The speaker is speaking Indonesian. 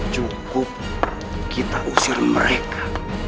cukup kita usir mereka